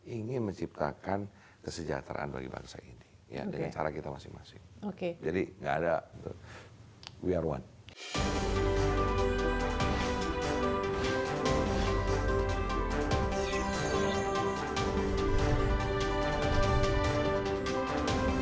ingin menciptakan kesejahteraan bagi bangsa ini dengan cara kita masing masing oke jadi enggak ada we are one